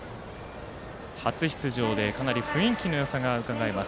初出場で雰囲気のよさもうかがえます。